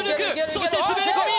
そして滑り込み